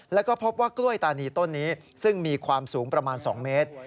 แล้วก็พบว่ากล้วยตานีต้นนี้ซึ่งมีความสูงประมาณ๒เมตร